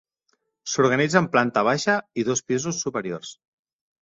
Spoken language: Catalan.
S'organitza en planta baixa i dos pisos superiors.